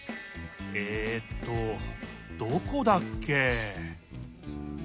えっとどこだっけ？